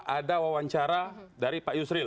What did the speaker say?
ada wawancara dari pak yusril